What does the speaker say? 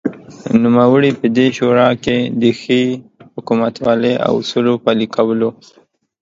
نوموړی په دې شورا کې دښې حکومتولۍ او اصولو پلې کولو